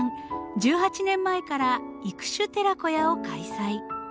１８年前から育種寺子屋を開催。